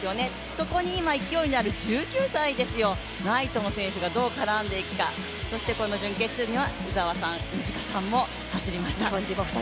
そこに今、勢いのある、１９歳ですよ、ナイトン選手がどう絡んでいくか、そして準決には鵜澤さん、飯塚さんも走りました。